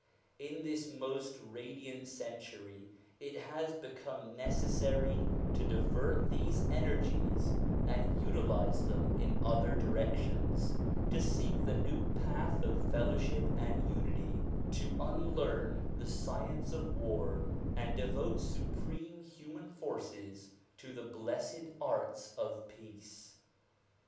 In this most radiant century it has become nec essary to divert these energies and utilize them in other directions ; to seek the new path of fellowship and unity; to unlearn the science of war and devote supreme human forces to the blessed arts of peace.